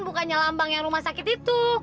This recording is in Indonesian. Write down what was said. bukannya lambang yang rumah sakit itu